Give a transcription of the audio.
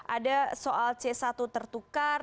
ada soal c satu tertukar